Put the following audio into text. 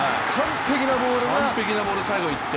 完璧なボール、最後いって。